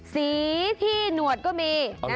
สีที่หนวดก็มี